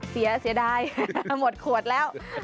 เสียได้หมดขวดแล้ว